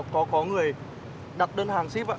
có có người đặt đơn hàng xếp ạ